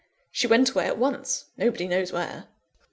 She went away at once nobody knows where."